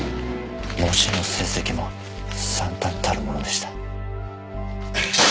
模試の成績も惨憺たるものでした。